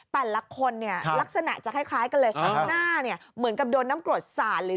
แต่ละคนเนี่ยลักษณะจะคล้ายกันเลย